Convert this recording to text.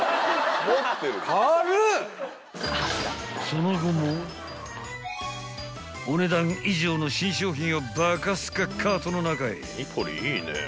［その後もお値段以上の新商品をバカスカカートの中へ］